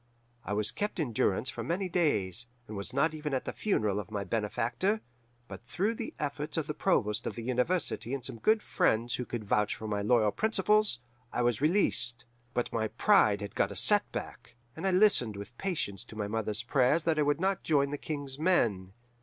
I was kept in durance for many days, and was not even at the funeral of my benefactor; but through the efforts of the provost of the university and some good friends who could vouch for my loyal principles, I was released. But my pride had got a setback, and I listened with patience to my mother's prayers that I would not join the King's men.